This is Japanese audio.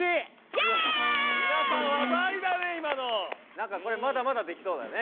なんかこれまだまだできそうだね。